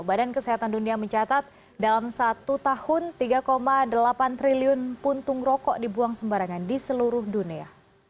badan kesehatan dunia mencatat dalam satu tahun tiga delapan triliun puntung rokok dibuang sembarangan di seluruh dunia